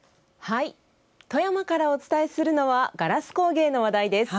富山からからお伝えするのはガラス工芸の話題です。